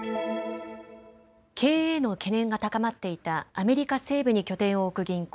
経営への懸念が高まっていたアメリカ西部に拠点を置く銀行